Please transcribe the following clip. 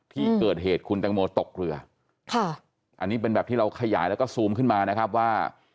ที่เกิดเหตุคุณแตงโมตกเรือค่ะอันนี้เป็นแบบที่เราขยายแล้วก็ซูมขึ้นมานะครับว่า